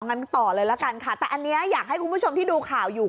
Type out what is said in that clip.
งั้นต่อเลยละกันค่ะแต่อันนี้อยากให้คุณผู้ชมที่ดูข่าวอยู่